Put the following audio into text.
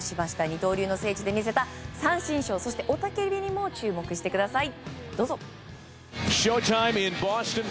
二刀流の聖地で見せた三振ショー、そして雄たけびにも注目してください。